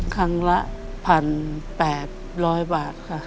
ครั้งละ๑๘๐๐บาทค่ะ